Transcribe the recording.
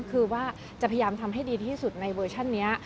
คือว่าจะพยายามทำให้ดีที่สุดในเวอร์ชันนี้